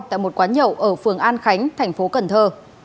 tại một quán nhậu ở phường an khánh thành phố cần thơ